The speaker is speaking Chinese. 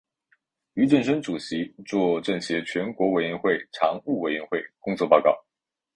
俞正声主席作政协全国委员会常务委员会工作报告。